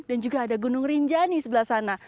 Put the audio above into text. dan juga ada gunung rinjani sebelah sana